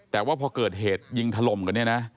แต่ว่าพอเกิดเหตุยิงถล่มกันเนี่ยนะ